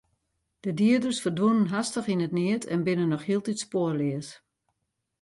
De dieders ferdwûnen hastich yn it neat en binne noch hieltyd spoarleas.